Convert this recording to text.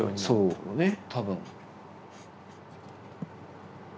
そう多分。